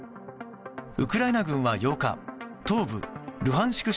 ウクライナ軍は８日東部ルハンシク